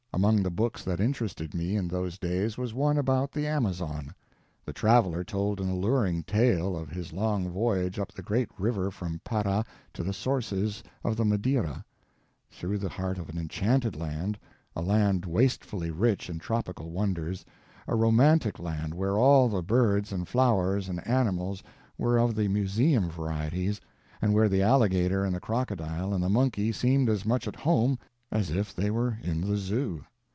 Among the books that interested me in those days was one about the Amazon. The traveler told an alluring tale of his long voyage up the great river from Para to the sources of the Madeira, through the heart of an enchanted land, a land wastefully rich in tropical wonders, a romantic land where all the birds and flowers and animals were of the museum varieties, and where the alligator and the crocodile and the monkey seemed as much at home as if they were in the Zoo.